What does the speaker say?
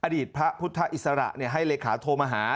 อดีตพระพุทธอิสระให้เลขาโทรมาหา